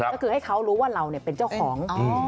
ก็คือให้เขารู้ว่าเราเป็นเจ้าของ